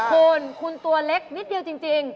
คุณคุณตัวเล็กนิดเดียวจริง